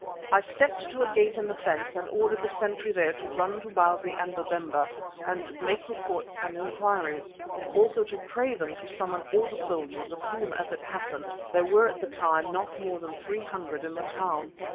I stepped to a gate in the fence and ordered the sentry there to run to Bausi and Babemba and make report and inquiries, also to pray them to summon all the soldiers, of whom, as it happened, there were at the time not more than three hundred in the town.